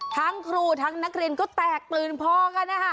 ทั้งครูทั้งนักเรียนก็แตกตื่นพอกันนะคะ